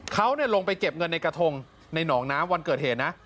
เขาลงไปเก็บเงินในกระทงในหนองน้ำวันเกิดเหตุนะ